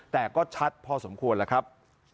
แต่ก็ชัดพอสมควรแล้วครับ